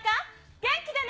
元気でね。